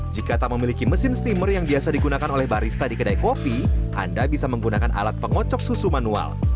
jika tak memiliki mesin steamer yang biasa digunakan oleh barista di kedai kopi anda bisa menggunakan alat pengocok susu manual